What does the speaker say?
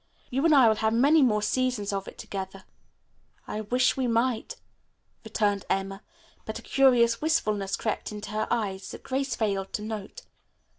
You and I will have many more seasons of it, together." "I wish we might," returned Emma, but a curious wistfulness crept into her eyes that Grace failed to note.